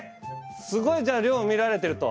すごいじゃあ量見られてると？